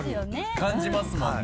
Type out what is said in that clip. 感じますもんね。